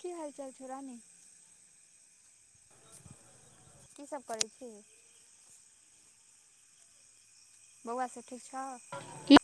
की हाल चाल छौ रानी कि सब करै छी बौआ सब ठीक छौ की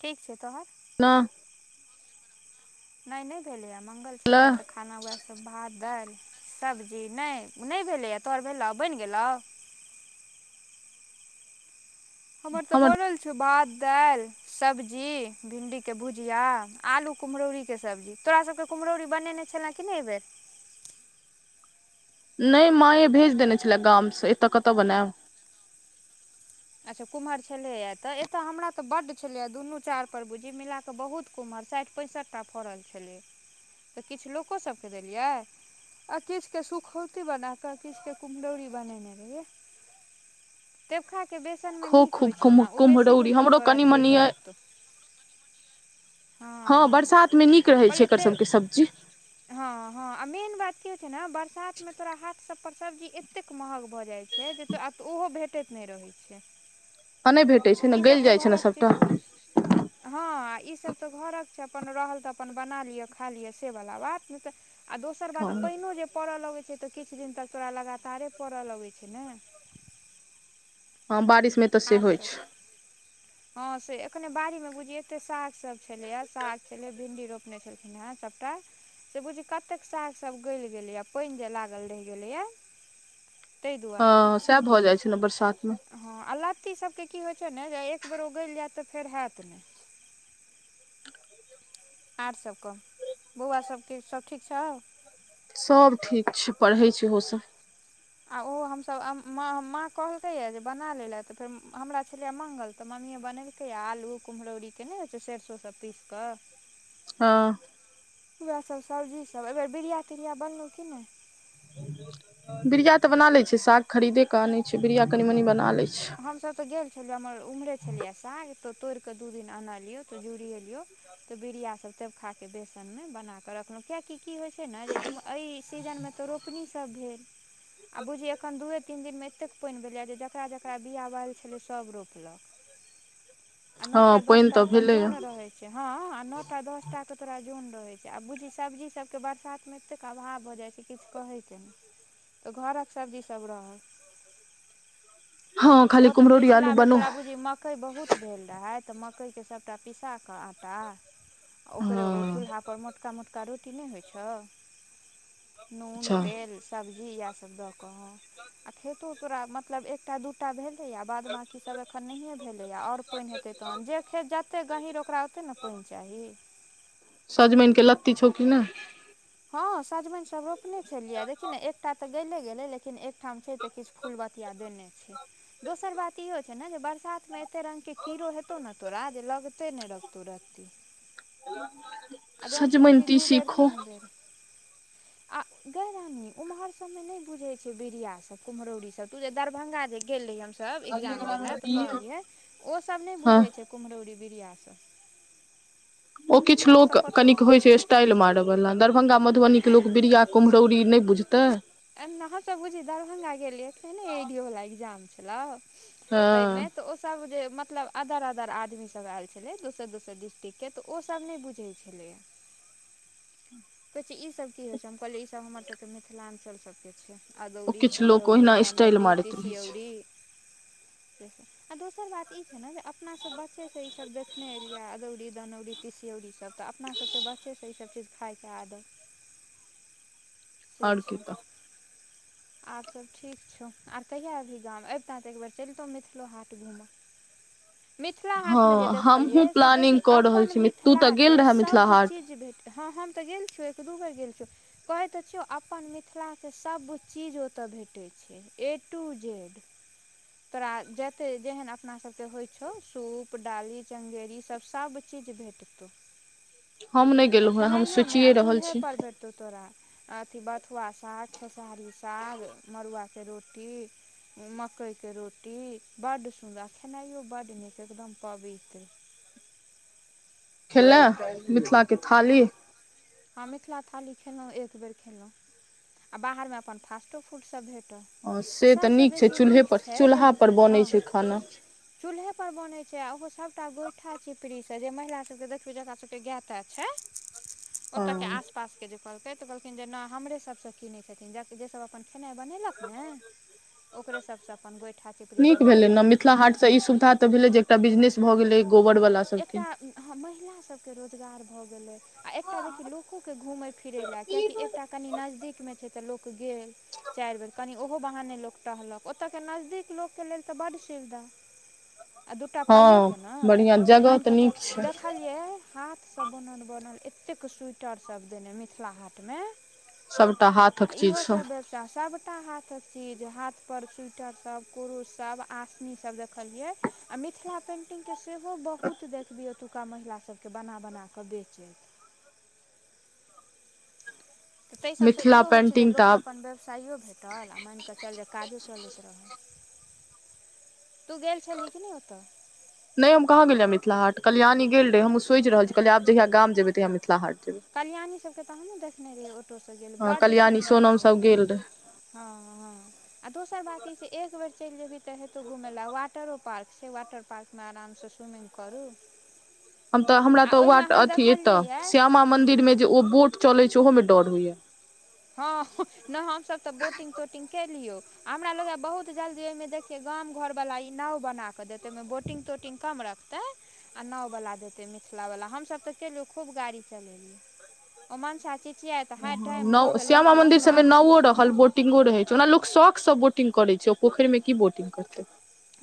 ठीक छै तहन न नहि नहि भेलै हा मंगल छलै हा तऽ खाना उ सब भात दालि सब्जी नहि नहि भेलैए तोहर भेलौ बनि गेलौ हमर तऽ बोनल छौ भात दालि सब्जी भिणडी के भुजिया आलू कुम्हरौरी के सब्जी तोरा सबके कुमरौरी बनेने छल कि नहि एहिबेर नहि माये भेज देने छलए गामसँ एतय कतय बनायब अच्छा कुमहर छलेएा तऽ एते हमरा तऽ बड छलेा दुनू चार पर बुझहि मिलाक बहुत कुमहर साठि पैंसठिटा फड़ल छलै तऽ किछु लोकोसभके देलियै आ किछके सुखौती बना कऽ किछके कुमरउरी बनेने रहहि त ख के बेसन मे खो नीक होइ खूब छौ ने ओ बेसी दिन कुम्हरौरी तक हमरो तोरा कनि ठीक मनि अइ रहतौ हँ बरसातमे नीक रहै छै कहलियै एकर ते सभके सब्जी हँ हँ मेन बात की हो छै ने बरसात मे तोरा हाट सब पर सब्जी एतेक महग भऽ जाइ छै जे आब तऽ ओहो भेटैत नहि रहैत छै आ नहि भेटैत छै ने ई सब गलि तऽ जाइत छै ने घरक सभटा चीज हँ ई सब तऽ घरक अपन रहल तऽ अपन बना लिअ खा लिअ सेवला बात ने तऽ आ दोसर बात हँ पहिनो जे पड़य लगैत छै तऽ किछु दिन तक तोरा लगातार परऽ लगै छै न हँ बारिशमे तऽ सेहो होइ छै हँ से एखने बारी मे बुझिय एते साग सब छलैएा साग छलै भिंडी रोपने छलखिन हेँ सभटा से बुझिय कतेक सागसभ गलि गेलैए पानि जे लागल रहि गेलैए ताहि दुआरे हँ सएह भऽ जाइ छै ने बरसातमे सबके की होइ छै ने जे एक बेर उगल जायत तऽ फेर होत ने आर सभ कहऽ बौआ सभके सभ ठीक छौ सभ ठीक छै पढ़ै छै ओहोसभ आ ओ हमसभ माँ कहलकै यए जे बना लेलए तऽ फेर हमरा छलियै मङंगल तऽ मम्मी बनेलकै आलू कुम्हरौरी केने हो छै सरसो सब पीस कऽ हँ उएहसभ सब्जीसभ एहि बेेर बीरिया तिरिया बनलहुँ कि नहि बरिया तऽ बना ले छै साग खरीदे के आनै छै बरिया कनी मनी बना ले छै हम सभतऽ गेल हमर ओम्हरे छलियै साग त तोड़िकऽ दू दिननल लियौ त जुड़ियलिय त बिरिया तबखाके बेसनमे बनााकऽ रखलहुॅं कियाकि की होइ छै ने जे एहि सीजनमे तऽ रोपनी सब जे बूझहि एखन दुए तीन दिन मे ऐते पाइन भेलयये जे जेकरा जेकरा ओकरा बिआ बायल छलै सब रोपलक आ हँ न पानि दसटा तऽ क भेलैए जन रहै छै हँ आ न दसटा क तोरा जोन रहै छै आब बुझिय सब्जी सबके बरसात मे एतेक अभाव भ जाइ छै किछु कहे के ने तऽ घरक सब्जीसभ रहल हँ खाली ओ तऽ कुम्हरौरी पिछला आलू बेर बनो तोरा बुझियह मकई बहुत भेल रहै त मकई के सबटा पीसा क आटा ओकरे हँ चूल्हा पर मोटका मोटका का रोटी नहि होइ छौ नून अच्छा तेल सब घी इएह सब द के आ खेतो तोरा मतलब एकटा दूटा भेल बाद बाकी सब एखन नहिए भेलेय आओर पाइन हेतय तहन जे खेते गहीर ओकरा ओते ने पानि चाही सजमइन के लत्ती छौकी ने हँ सजमनि सब रोपने छलियै देखिन एकटा त गेले लेकिन एकठाम छै ते किछ फूल बतिया दे देने छै दोसर बात इहो छै ने जे बरसात मे एते रंग के कीड़ो हेतौ ने तोरा जे लगते नहि लगतौ किू [inaudible] सजमनि दू तीसि बेर खो तीन [inaudible] आ गय रानी उम्हर सब मे नहि बुझे छै बिड़िया सब कुमहरौरी सब तू जे दरभंगा गेल रहियय हम सब एग्जाम दे ले त कहलिये ओ सब ने हँ बुझे छै कुम्हरौरी बिरियास ओ किछु लोक कनिक होइ छै स्टाइल मार वला दरभंगा मधुबनि के लोक बिरिया कुमरैरि नहि बुझतै त बुझी दरभंगा गेल रहिये एइडियो वला इकजाम छलै तयमे हँ तऽ ओ सब जे मतलब अदर अदर आदमी सभ आयल छलै दोसर दोसर डिस्ट्रिक्टके तऽ ओसभ नहि बुझै छलैया कह ई सब की होइ छै हम कहल ई सब हमर सबके मिथिलांचल छै ओ अदौरी किछु लोक कुम्हरौरी ओहिना स्टाइल धनौरी मारैत रहै छै तीसियौरी आ दोसर बात ई छै ने जे अपनासभ बच्चेसँ ईसभ देखने एलियै अदौरी दनौरी तीस तीसियौरी सब तऽ अपना सबके बच्चेसँ ईसभ चीज खाइके आदत छै आर कि त [inaudible] आब सभ ठीक छौ आर कहिया अबही गाम अबितह तऽ एक बेेर चलितौ मिथिलो हाट घूमह [inaudible] मिथिला हाट मे जे हँ हमहूँ देखलियै से देखि प्लानिंग कऽ रहल अपन छी तू मिथिला तऽ गेल के रहे मिथिला सब हाट चीज भेटय हँ हम तऽ गेल छीयै एक दू बेर गेल छीयै कहे त छीयौ अपन मिथिलाके सभ चीज ओतय भेटै छै ए टू जेड तोरा जते जेहन अपना सबके होइ छौ सूप डाली चंगेरी सब सब सभ चिज़ भेटय हम नहि आ गेलहुँ हेँ हम खेनाइयो मे आ सोचिए रहल चूल्हे छी पर भेटतौ तोरा अथ बथुआ साग खेसारी साग मड़ुआ रोटी मकइके रोटी बड्ड सुन्द आ खैनाइयो बड्ड नीक एकदम पवित्र खेले मिथिलाके थाली हँ मिथिला के थालि खेलहुँ एक बेर खेलहुँ आ बाहरमे अपन फास्टो फूड सभ भेटय से तऽ नीक छै चूल्हेपर चूल्हापर बनैत छै खाना चूल्हे पर बनै छै आ ओहो सबटा गोइठा चिपड़ी त जे महिला सबके देखियौ जकरा सबके गाय त छै ओतऽके हँ आसपासके जे कहलकै तऽ कहलखिन जे नहि हमरे सभसँ कीनै छथिन जे सभ अपन खेनाइ बनेलक ने ओकरे सभसँ अपन गोइठा नीक चिपड़ीसभ भेलै ने लेलक मिथिला हाट सँ ई सुविधा तऽ भेलै जे एक बिजनेस भऽ गेलै गोबरवला सभके एतय महिला सभके रोजगार भऽ गेलै आ एकटा देखियौ लोको के घुमय फिरै लेलए कियकि एकटा कनि नजदीकमे छै तऽ लोक गेल चारि बेर कनि ओहो बहाने लोक टहलक ओतऽके नजदीक लोक के लेल तऽ बड्ड सुविधा आ दूटा पाइयओ हँ के ने आ बढ़िआँ जगह मान तऽ कऽ चल नीक छै देखलियै हाथ सब बनल बनल एतेक स्वेटर सब देने मिथिला हाट मे सभटा हाथक चीज इहो सब व्यवसा सभटा हाथ सभ चीज हाथ पर स्वेटर सब कुरुशसभ आसनी सब देखलियै आ मिथिला पेन्टिंग के बहुत देखलियौ ओतुका महिला सबके बना बनाकऽ बेचैत ताहि सभसँ मिथिला इहो होइत छै जे पेंटिंग तऽ लोक क आब अपन व्यवसायो भेटल आ मानि कऽ चल जे काजो चलैत रहल तू गेल छलही कि नहि ओतऽ नहि हम कहाँ गेलियै मिथिला हाट कल्याणी गेल रहे हमहुं सोचि रहल छी कहलियै आब जहिआ गाम जेबै तहिया मिथिला हाट जेबै कल्याणी सभके त हमहुं देखने रहियै ऑटोसँ गेल हँ बड्ड कल्याणी सुन्दर सोनम छै सब गेल रहे हँ हँ आ दोसर बात ई छै एक बेर चलि जेबही तऽ हेतौ घुमय लै वाटरो पार्क छै वाटर पार्कमे आरामसँ स्विमिंग करू हम तऽ हमरा आ तऽ वा ओहिमे हम अथी एतऽ देखलियै यए श्यामा मंदिर मे जे ओ बोट चलै छै ओहो मे डर होइया हँ ह्ह ने हमसभ तऽ बोटिंग तोटिंग केलियो हमरा लगैया बहुत जल्दी ओहि मे देखिये गाम घर वाला ई नाव बना के देत ओमें बोटिंग तोटिंग कम रखतै आ नाव वाला देतै मिथिला वला हम सब त तैयो खुब गाड़ी चलेलियौ ओ मंसा चिचीयाइत है टाइम भऽ नाव गेल लऽ श्यामा कऽ आउ मंदिर ने सबमे नाउओ रहल बोटिंगो रहै छै ओना लोक शौकसँ बोटिंग करे छै ओ पोखरि मे की बोटिंग करतै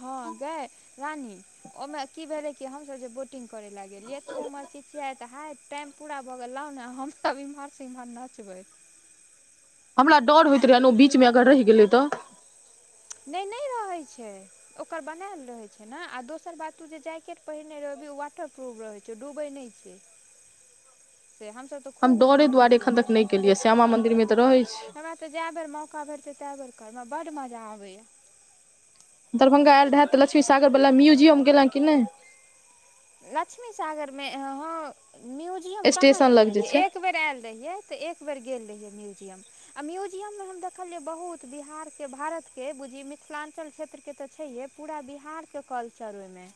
हँ गए रानी ओहिमे की भेलै कि हमसभ जे बोटिंग करे लए गेलिये तऽ ओ ओम्हर चिचियाइत तऽ हय टाइम पूरा भऽ गेल यै लाउ ने हम सब इम्हर से इम्हर नचबैत हमरा डर होइत रहया ने ओ बीचमे अगर रहि गेलै तऽ नहि नहि रहैत छै ओकर बनायल रहैत छै न आ दोसर बात ओ जे जैकेट पहिरने रहबै ओ वाटर प्रूफ रहै छै ओ डुबै नहि छै से हमसभ तऽ हम खूब डरअ घुमलहुँ दुआरे एखन तक तुमलहुँ नहि केलियै श्यामा मंदिर मे तऽ रहै छै हमरा तऽ जाए बेर मौका भेटतै ताए बेर करबै हमरा बड्ड मजा आबैया दरभंगा आयल रहै तऽ लक्ष्मी सागरवला म्यूजियम गेलैं कि नहि लक्ष्मी सागरमे अं हं म्यूजियम कहाँ स्टेशन गेल लग जे छै रहियै एक बेर आयल रहियै तऽ एक बेर गेल रहियै म्यूजियम आ म्यूजियम मे हम देखलियै बहुत बिहार के भारत के बुझि मिथिलां चल क्षेत्र के तऽ छैेहे पूरा बिहार के कल्चर ओहिमे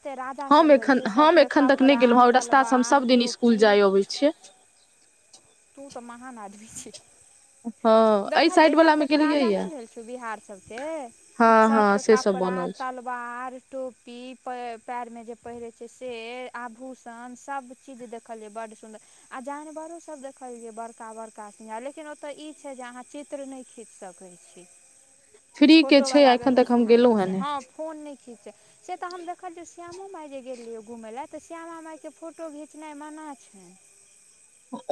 जते राजा हम सब भेल एखन छै हम सबके एखन तक नहि कपड़ा गेलहुँ हँ ओहि रस्तासँ हम तलवार सभ दिन स्कुल टोपी जाय अबै छियै तू तऽ महान आदमी छी हँ एहि देखलियै साइड वला मे जतेक गेलियै राजा नहि या भेल छौ बिहारसभके हँ हँ सभके से सब कपड़ा बनल छै तलवार टोपी प पैर में जे पहिरे छै सेे आभूषण सब चीज देखलिये बड़ सुन्दर आ जानवरो सब देखलियै बड़का बड़का सिंह लेकिन ओतऽ ई छै जे अहाँ चित्र नहि खींच सकै छी फ्री के फोटो छै आ वला एखन तक हम व्यवस्था नहि गेलहुँ हेँ छै ने हँ फोन नहि खींच से तऽ हम देखलियै श्यामो माय जे गेल रहियै घुमय लए तऽ श्यामा माइके फोटो घिचनाइ मना छै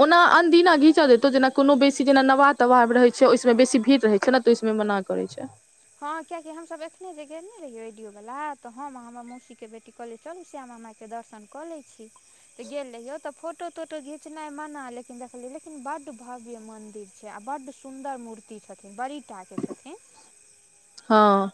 ओना अनदिना घींच दैतौ जेना कोनो बेसी जेना नवाह तवाह रहैत छै ओहिसबम बेसी भीड़ रहैत छै न त समय मना करै छै हँ कियाकि हमसभ एखने जे गेल नै रहियै एइडिओ वाला तऽ हम आ हमर मौसी के बेटी कहलियै चलु श्यामा माई के दर्शन कऽ लै छी तऽ गेल रहियौ तऽ फोटो तोटो घिचनाइ मना लेकिन देखलियै लेकिन बड्ड भव्य मंदिर छै आ बड्ड सुन्दर मूर्ति छथिन बड़ीटाके छथिन हँ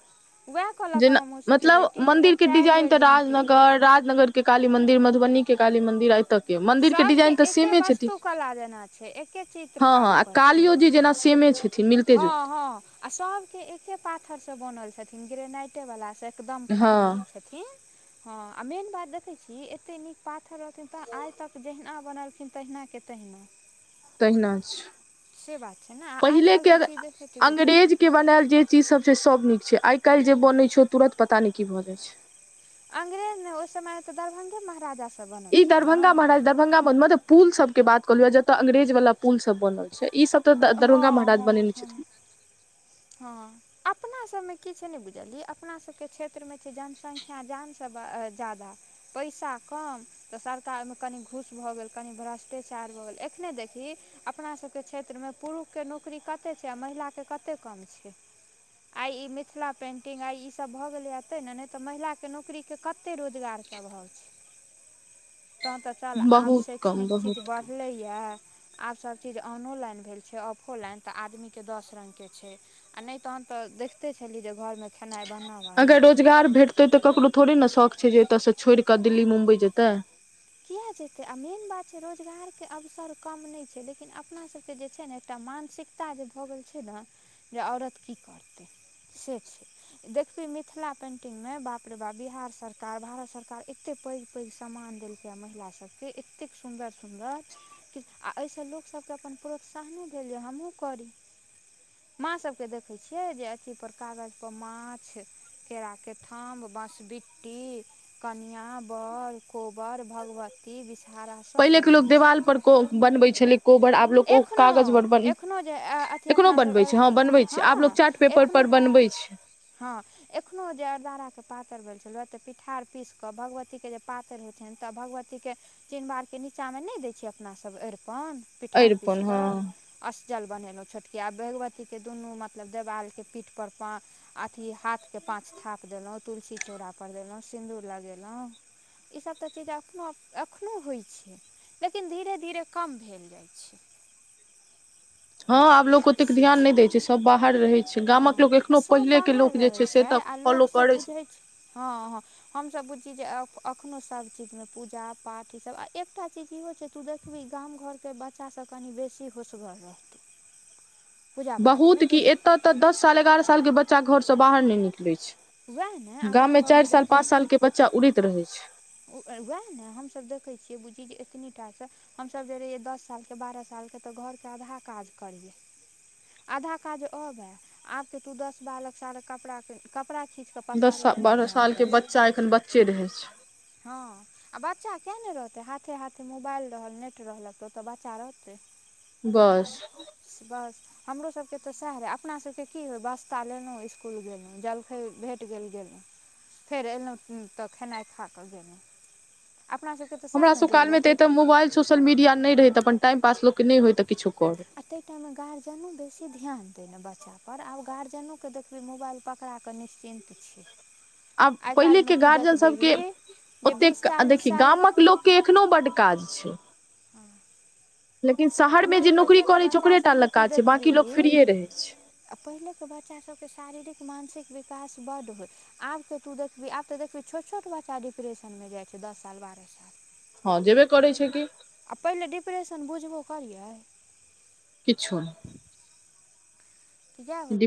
वएह जेना मतलब मंदिर के डिजाइन बेर तऽ जयन्ती राजनगर राजनगर के काली मंदिर मधुबनी के काली मंदिर आ एत्तक सभके एके वस्तु कला जेना छै एके हँ चित्रकारी हँ आ पर छै कालियो जी जेना सेमे छथिन मिलते हँ जुलते हँ आ सबके एके पात पत्थर से बनल छथिन ग्रेनाइटे वालास से एकदम कारी हँ छथिन हँ आ मेन बात देखै छी एते नीक पाथर रहथिन तऽ आइ तक तऽ जहिना बनलखिन तहिना के तहिना तहिना छै से बात छै ने आ आइ पहिले काल्हिके के चीज देखियौ ठीके छै अंग्रेज के बनायल जे चीज सब छै सब नीक छै आइ काल्हि जे बनै छै ओ तुरंत पता नहि की भऽ जाइ छै अंग्रेज ने ओ समय तऽ दरभंगा महाराजा ई दरभंगा महाराज दरभंगा मऽ मत पूल सब के बात कहलीओ जतऽ अंग्रेज वला पुल सब बनल छै ई सब तऽ दरभंगा हँ महाराज हँ बनेने हँ छथिन हँ अपना सब में कि छै नहि बुझलियै अपना सबके क्षेत्र में छै जनसंख्या जान सँ ज्यादा पैसा हाँ कम तऽ सरकार में कनि घुस भऽ गेल कनि भ्रष्टाचार भऽ गेल एखने देखी अपना सब सबके क्षेत्र मे पुरुख के नौकरी कते छै आ महिला क ऽ के कते कम छै आई ई मिथिला पेंटिंग आई ई सब भए गेले तैने ने ते महिला के नौकरी के कते रोजगार सभंव छै तहन तऽ चल आब बहुत कम शैक्षणिक चीज बहुत कम बढ़ले या आब सब चीज ऑनोलाइन भेल छै ऑफोलाइन तऽ आदमी के दस रंग के छै नहि तहन तऽ देखतै छलहि अगर रोजगार भेटतै तऽ ककरो थोड़े ने शौख छै जे एतयसँ सऽ छोड़ि कऽ दिल्ली मुम्बइ जेतै किया जेतै आ मेन बात छै रोजगार के अवसर कम नहि छै लेकिन अपना सब के जे छै ने एकटा मानसिकता जे भऽ गेल छै ने जे औरत की करतै से छै देखबी मिथिला पेंटिंग मे बाप रे बा बिहार सरकार भारत सरकार एतैक पैघ पैघ सामान देलकै महिला सब के एतेक सुदर सुदर क आ एहिस लोक सब के अपन प्रोत्साहनो भे हमूँ करी माँ सभ के देखैत छियै जे अथी पर कागज़ पर माछ केरा के थम बाँसबिट्टी कनिआ बड़ कोबड़ भगवती विश पहिले के लोक देवाल पर को बनबै छलै कोबड़ आब लोग ओ एखनो कागज पर एखनो जे अथी एखनो बनवे अपनासब छै ह बनवे छै आब लोग चार्ट पेपर पर बनवे छै होई छै हँ एखनो जे अद्रारा पातरि भेल छल पिठार पीस क भगवती के जे पातरि होइत छनि तऽ भगवती के चिन बार के नीचा मे न देय छी अपना सब अरिपन पिठार पीस अरिपन के हँ अष्टजल बनेलौ छोटकी भगवती के दुनू मतलब देवाल के पीठ पर पाच अथी हाथ के पाँच थाप देलहुँ तुलसी चौराापर देलहुँ सिन्दूर लगेलहुँ ई सब तऽ चीज अखनो अखनो होइ छै लेकिन धीरे धीरे कम भेल जायए छै अच्छा हँ आब लोग ओतेक ध्यान नहि देय छै सब बाहर रहे छै हँ गामक लोक आ एखनो सभ पहिलेके बाहर लोक जे रहै से छै तऽ आ फॉलो लोक सब करै बुझै छै हँ हँ हम सभ चीज अखनो सब चीज में पूजा पाठ ई सब एकटा चीज इहो छै तू देखबई गाम घर में के बच्चा सभ कनि बेसी होसगर रहतै बहुत कि एतय तऽ दस साल ग्यारह साल के बच्चा घरसँ बाहर नहि निकलैत उएह ने छै आ गाम में चारि साल पाँच साल के बच्चा उड़ैत रहै छै वएहा ने हमसब देखे छियै बुझी एतनी टा से हमस जे रहहिय दस साल के बारह साल के हम सब तऽ घर के आधा काज करियै आधा काज अबै आब के तू दस बालक सार कपड़ाक दस बारह साल के बच्चा एखन बच्चे रहै छै हाँ आ बच्चा किए नहि रहतै हाथे हाथे मोबाइल रहल नेट रहलक तऽ ओतऽ बच्चा रहतै बस बस हमरो सबके तऽ सएह रहे अपना सबके की होय बास्ता लेलहु स्कुल गेलहुँ जलखै भेट गेल गेलहुँ फेर एलौ तऽ खेनाइ खा कऽ गेलहु हमरा सभ कालमे तऽ एतय मोबाइल सोशल मीडिया नहि रहैत अपन टाइम पास लोककेँ नहि होइत तऽ किछो करू आ ताहि टाइम मे गार्जियनो बेसी ध्यान दैयन बच्चा बड आब गार्जिअनोके देखबै मोबाइल पकड़ाकऽ निश्चिन्त छै आब आइ काल्हिमे पहिलेके तू गार्जन देखबिही सभके जे बीस ओतेक चालीस देखि साल गामक लोककेँ एखनो बड्ड काज छै हँ लेकिन शहरमे जे नौकरी करै छै ओकरे टा ल काज छै बाँकी लोक फ्रीे ए रहै छै पहिलेक बच्चासभके ओतेक शारीरिक मानसिक विकास बड होय आब के तू देखबी आब त देखबी छोट छोट बच्चा डिप्रेशन मे जाय छै दस साल बाद आरो सएल हँ जेबे करै छै कि पहिले डिप्रेशन बुझबो करियै किछो नहि याह होइ